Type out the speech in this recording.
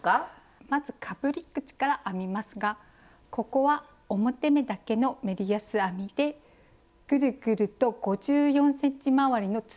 まずかぶり口から編みますがここは表目だけのメリヤス編みでぐるぐると５４ｃｍ回りの筒状に編みます。